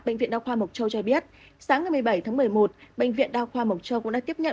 bệnh viện đao khoa mộc châu cho biết sáng một mươi bảy một mươi một bệnh viện đao khoa mộc châu cũng đã tiếp nhận